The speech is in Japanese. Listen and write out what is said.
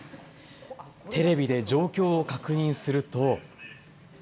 テレビで状況を確認すると。